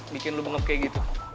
bikin lu bengep kayak gitu